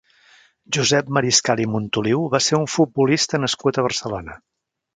Josep Mariscal i Montoliu va ser un futbolista nascut a Barcelona.